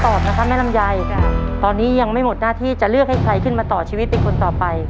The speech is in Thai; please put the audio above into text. แม่ลำไยตอนนี้ยังไม่หมดหน้าที่จะเลือกให้ใครขึ้นมาต่อชีวิตเป็นคนต่อไป